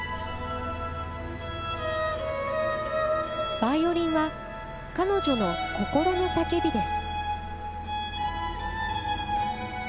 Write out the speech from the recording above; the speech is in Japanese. バイオリンは彼女の心の叫びです。